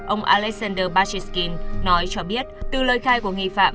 ông alexander bashukin nói cho biết từ lời khai của nghi phạm